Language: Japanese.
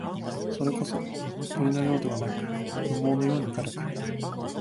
それこそ、鳥のようではなく、羽毛のように軽く、